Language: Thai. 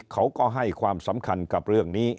เขาก็ให้ความสำคัญกับเรื่องนี้